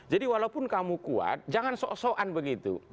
jadi walaupun kamu kuat jangan so soan begitu